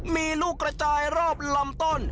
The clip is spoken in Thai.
มีลูกกระจายรอบลำต้น